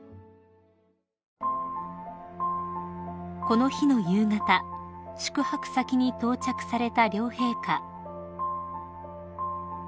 ［この日の夕方宿泊先に到着された両陛下］